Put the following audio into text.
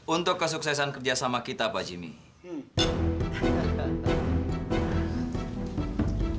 untuk kesuksesan kerjasama kita pak jimmy